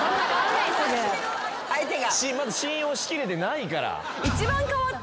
信用しきれてないから。